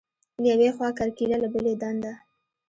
له یوې خوا کرکیله، له بلې دنده.